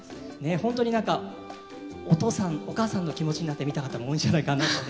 本当に何かお父さんお母さんの気持ちになって見た方も多いんじゃないかなとね